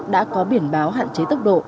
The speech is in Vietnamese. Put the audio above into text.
đã có biển báo hạn chế tốc độ